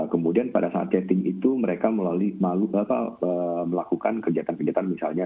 kemudian pada saat chatting itu mereka melakukan kegiatan kegiatan misalnya